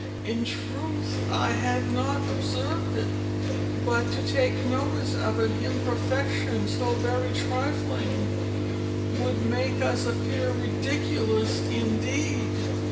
"In truth, I have not observed it; but to take notice of an imperfection so very trifling, would make us appear ridiculous indeed."